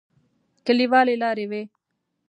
کليوالي لارې وې.